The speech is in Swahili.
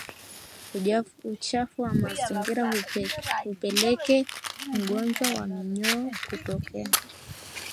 Uchafu wa mazingira hupelekea ugonjwa wa minyoo kutokea